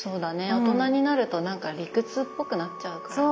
大人になるとなんか理屈っぽくなっちゃうからね。